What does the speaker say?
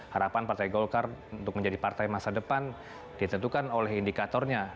harapan partai golkar untuk menjadi partai masa depan ditentukan oleh indikatornya